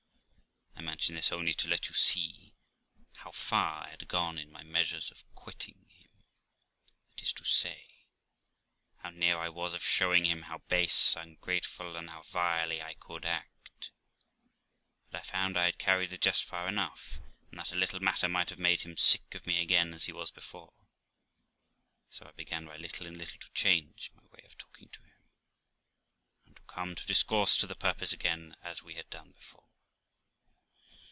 I mention this only to let you see how far I had gone in my measures of quitting him that is to say, how near I was of showing him how base, ungrateful, and how vilely I could act ; but I found I had carried the jest far enough, and that a little matter might have made him sick of me again, as he was before; so I began by little and little to change my way of talking to him, and to come to discourse to the purpose again as we had done before.